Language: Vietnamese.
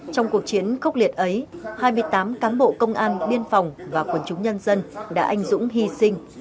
trong cuộc chiến khốc liệt ấy hai mươi tám cán bộ công an biên phòng và quần chúng nhân dân đã anh dũng hy sinh